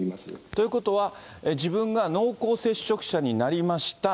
ということは、自分が濃厚接触者になりました。